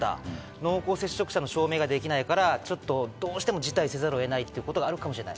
濃厚接触者の証明ができないからどうしても辞退せざるを得ないということがあるかもしれない。